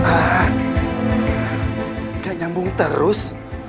ah kayak nyambung terus